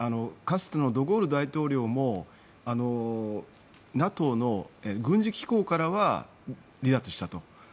かつてのドゴール大統領もＮＡＴＯの軍事機構からは離脱したと。